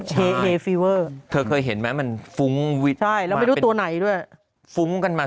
เชเอฟีเวอร์เธอเคยเห็นไหมมันฟุ้งวิดใช่แล้วไม่รู้ตัวไหนด้วยฟุ้งกันมา